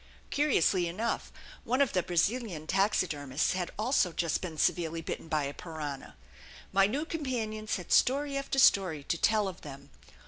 Curiously enough, one of the Brazilian taxidermists had also just been severely bitten by a piranha. My new companions had story after story to tell of them.